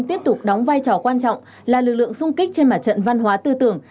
tiếp tục đóng vai trò quan trọng là lực lượng sung kích trên mặt trận văn hóa tư tưởng